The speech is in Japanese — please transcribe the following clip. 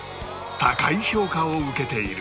高い評価を受けている